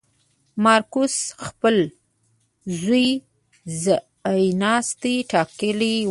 مارکوس خپل زوی ځایناستی ټاکلی و.